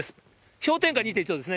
氷点下２．１度ですね。